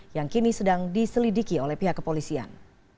yang kini sedang diselidiki oleh pihak kepolisian